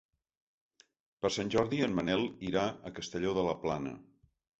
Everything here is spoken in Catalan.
Per Sant Jordi en Manel irà a Castelló de la Plana.